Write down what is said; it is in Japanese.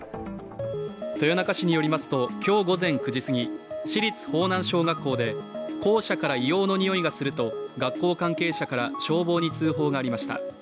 豊中市によりますと今日午前９時すぎ市立豊南小学校で校舎から硫黄の匂いがすると学校関係者から消防に通報がありました。